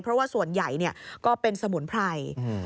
เพราะว่าส่วนใหญ่ก็เป็นสมุนไพร